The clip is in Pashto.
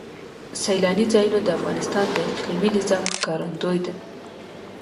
سیلانی ځایونه د افغانستان د اقلیمي نظام ښکارندوی ده.